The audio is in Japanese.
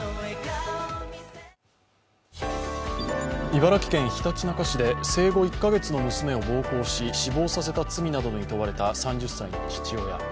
茨城県ひたちなか市で生後１カ月の長女に暴行し死亡させた罪などに問われた３０歳の父親。